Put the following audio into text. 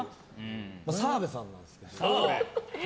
澤部さんなんですけど。